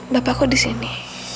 bapak kok di sini